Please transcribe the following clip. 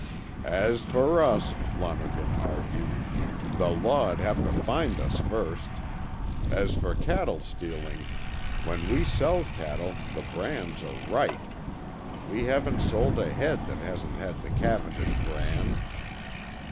"As for us," Lonergan argued, "the law'd have to find us first. As for the cattle stealing, when we sell cattle the brands are right. We haven't sold a head that hasn't had the Cavendish brand."